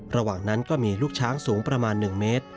ระหว่างนั้นก็มีลูกช้างสูงประมาณ๑เมตร